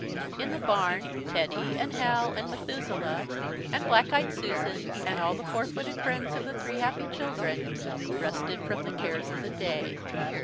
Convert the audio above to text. In the barn Teddy, and Hal, and Methuselah, and Black eyed Susan, and all the four footed friends of the three happy children, rested from the cares of the day.